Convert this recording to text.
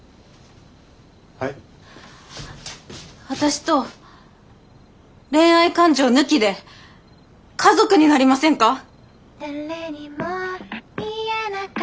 私と恋愛感情抜きで家族になりませんか？